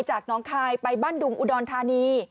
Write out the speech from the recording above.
จากน้องคายไปบ้านดุงอุดรธานี